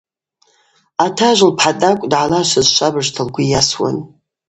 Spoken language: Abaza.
Атажв лпхӏатӏакӏв дъалашвыз швабыжта лгвы йасуан.